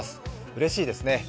うれしいですね。